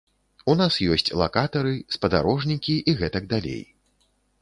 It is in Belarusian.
У нас ёсць лакатары, спадарожнікі і гэтак далей.